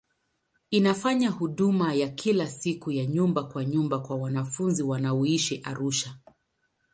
Inafanya huduma ya kila siku ya nyumba kwa nyumba kwa wanafunzi wanaoishi Arusha.